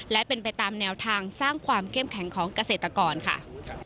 และเป็นไปตามแนวทางสร้างความเข้มแข็งของเกษตรกรค่ะ